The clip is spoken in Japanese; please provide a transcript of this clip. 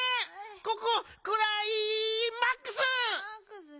ここクライマックス！